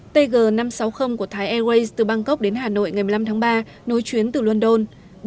tg năm trăm sáu mươi của thái airways từ bangkok đến hà nội ngày một mươi năm tháng ba nối chuyến từ london